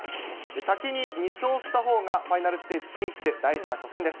先に２勝したほうがファイナルステージ進出へ、大事な初戦です。